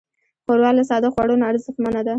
ښوروا له ساده خوړو نه ارزښتمنه ده.